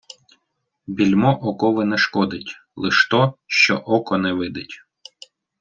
Більмо окови не шкодить, лиш то, що око не видить.